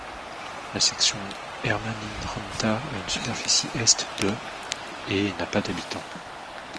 La section Hermanninranta à une superficie est de et n'a pas d'habitant.